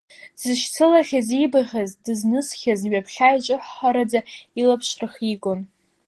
Дзышьцылахьаз, иибахьаз, дызнысхьаз ҩаԥхьа иҿыцҳҳараӡа илаԥш рхигон.